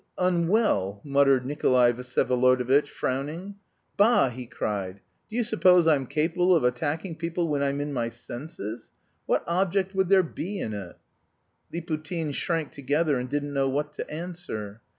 unwell..." muttered Nikolay Vsyevolodovitch, frowning. "Bah!" he cried, "do you suppose I'm capable of attacking people when I'm in my senses? What object would there be in it?" Liputin shrank together and didn't know what to answer.